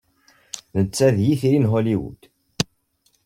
Netta d itri n Hollywood.